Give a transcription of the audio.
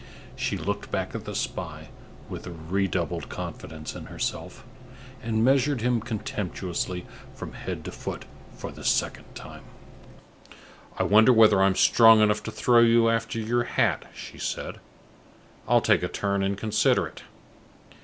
She looked back at the spy with redoubled confidence in herself, and measured him contemptuously from head to foot for the second time. "I wonder whether I'm strong enough to throw you after your hat?" she said. "I'll take a turn and consider it."